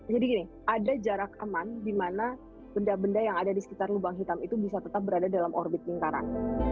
jadi gini ada jarak aman di mana benda benda yang ada di sekitar lubang hitam itu bisa tetap berada dalam orbit lingkaran